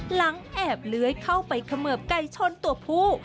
หลังแอบเลื้อยเข้าไปเขมือบไก่ชนตัวผู้